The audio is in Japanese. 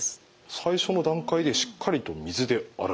最初の段階でしっかりと水で洗う。